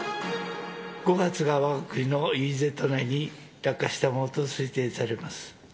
５発がわが国のＥＥＺ内に落下したものと推定されます。